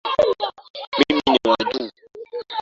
Mimi ni wa juu.